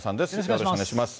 よろしくお願いします。